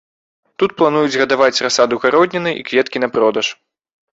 Тут плануюць гадаваць расаду гародніны і кветкі на продаж.